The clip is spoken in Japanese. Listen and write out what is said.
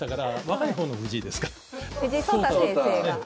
藤井聡太先生が聡太。